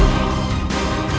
nyai yang bahaya